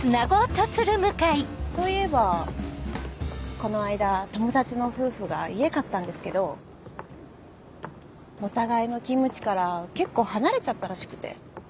そういえばこの間友達の夫婦が家買ったんですけどお互いの勤務地から結構離れちゃったらしくて。